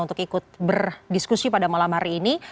untuk ikut berdiskusi pada malam hari ini